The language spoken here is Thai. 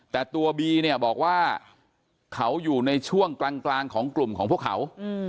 แต่ตัวบีเนี่ยบอกว่าเขาอยู่ในช่วงกลางของกลุ่มของพวกเขา